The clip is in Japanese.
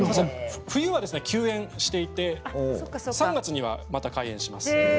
冬は休園していて３月にはまた開園します。